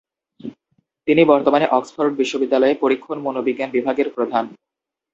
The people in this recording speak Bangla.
তিনি বর্তমানে অক্সফোর্ড বিশ্ববিদ্যালয়ের পরীক্ষণ মনোবিজ্ঞান বিভাগের প্রধান।